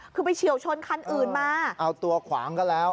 คือไปเฉียวชนคันอื่นมาเอาตัวขวางก็แล้ว